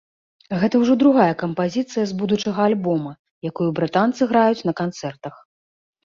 Гэта ўжо другая кампазіцыя з будучага альбома, якую брытанцы граюць на канцэртах.